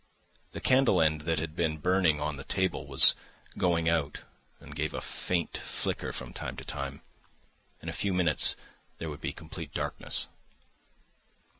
The candle end that had been burning on the table was going out and gave a faint flicker from time to time. In a few minutes there would be complete darkness.